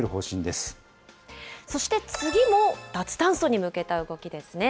そして、次も脱炭素に向けた動きですね。